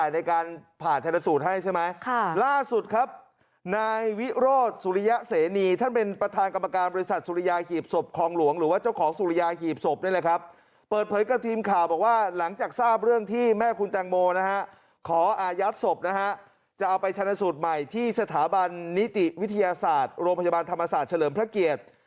นิติวิทยาศาสตร์โรงพยาบาลธรรมศาสตร์เฉลิมพระเกียรติ